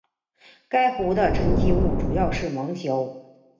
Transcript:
该湖的沉积物主要是芒硝。